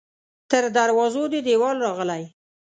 تر دروازو دې دیوال راغلی